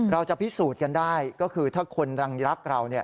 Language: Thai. เราจะพิสูจน์กันได้ก็คือถ้าคนรังรักเรา